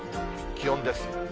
気温です。